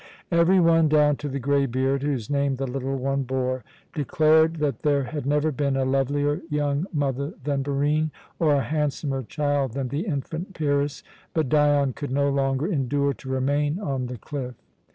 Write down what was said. Every one, down to the greybeard whose name the little one bore, declared that there had never been a lovelier young mother than Barine or a handsomer child than the infant Pyrrhus; but Dion could no longer endure to remain on the cliff.